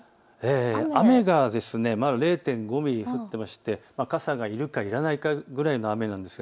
雨がまだ０．５ミリ降っていて傘がいるかいらないかぐらいの雨です。